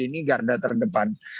ini garda terdepan